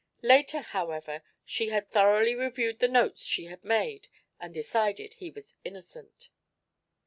Later, however, she had thoroughly reviewed the notes she had made and decided he was innocent.